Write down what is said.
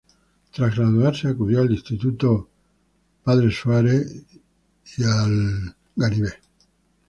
Tras graduarse, acudió al Insituto Cardinal Dougherty y a Maine Central Institute.